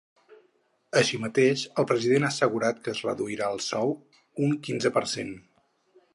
Així mateix, el president ha assegurat que es reduirà el sou un quinze per cent.